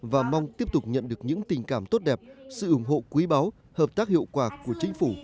và mong tiếp tục nhận được những tình cảm tốt đẹp sự ủng hộ quý báu hợp tác hiệu quả của chính phủ